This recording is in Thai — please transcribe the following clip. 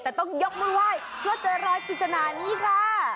แต่ต้องยกมือไหว้เพื่อใส่รอยปริศนานี้ค่ะ